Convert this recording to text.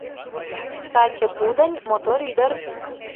Каче кудынь мотор ӱдыр